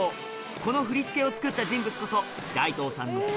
この振り付けを作った人物こそ大東さんの父